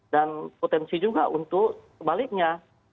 dan potensi juga untuk kebaliknya